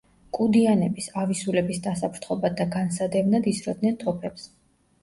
კუდიანების, ავი სულების დასაფრთხობად და განსადევნად ისროდნენ თოფებს.